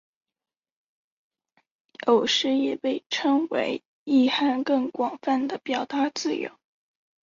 有时也被称为意涵更广泛的表达自由。